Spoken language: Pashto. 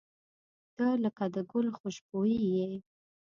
• ته لکه د ګل خوشبويي یې.